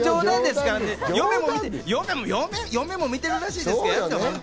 嫁も見てるらしいですからね。